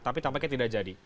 tapi tampaknya tidak jadi